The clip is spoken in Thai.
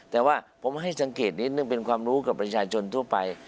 แต่ว่าผมให้สังเกตนิดนึงเป็นความรู้กับประชาชนทั่วไป